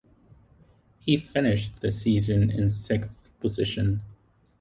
He finished the season in sixth position.